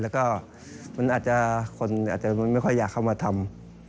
แล้วก็มันอาจจะคนอาจจะไม่ค่อยอยากเข้ามาทำ